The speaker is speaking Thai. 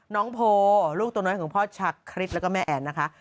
น้องโพลูกตัวน้อยของพ่อชาคริสแล้วก็แม่แอนนะคะ